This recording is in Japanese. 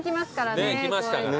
ねっ来ましたから。